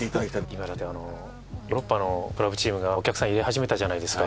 今だってヨーロッパのクラブチームがお客さん入れはじめたじゃないですか。